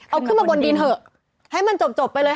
เอาขึ้นมาบนดินเถอะให้มันจบไปเลย